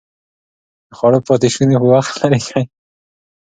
د خوړو پاتې شوني په وخت لرې کړئ.